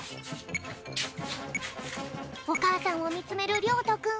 おかあさんをみつめるりょうとくん。